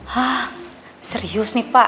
hah serius nih pak